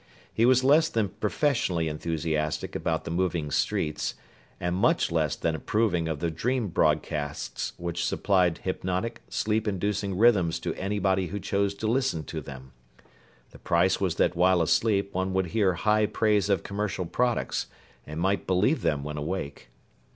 He was less than professionally enthusiastic about the moving streets, and much less than approving of the dream broadcasts which supplied hypnotic, sleep inducing rhythms to anybody who chose to listen to them. The price was that while asleep one would hear high praise of commercial products, and might believe them when awake.